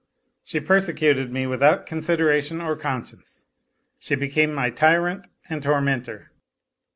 She persecuted me without consideration or conscience, she became my tyrant and tormentor.